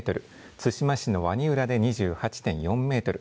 対馬市の鰐浦で２８．４メートル